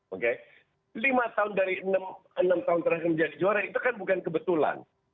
oke lima tahun dari enam tahun terakhir menjadi juara itu kan bukan kebetulan